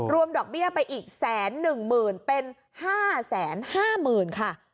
รวมดอกเบี้ยไปอีกแสนหนึ่งหมื่นเป็น๕๕๐๐๐๐ค่ะ